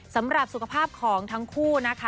สำหรับสุขภาพของทั้งคู่นะคะ